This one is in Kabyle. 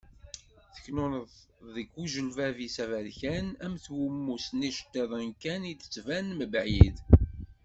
Teknuneḍ deg uǧilbab-is aberkan am twemmust n yiceṭṭiḍen kan i d-tettban mebɛid.